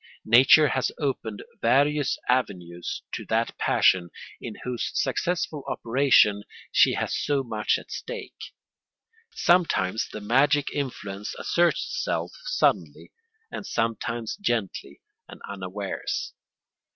Nature has opened various avenues to that passion in whose successful operation she has so much at stake. Sometimes the magic influence asserts itself suddenly, sometimes gently and unawares.